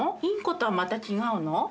インコとはまた違うの？